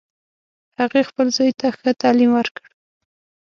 هغې خپل زوی ته ښه تعلیم ورکړ